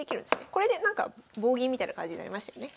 これでなんか棒銀みたいな感じになりましたよね。